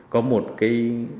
có một cái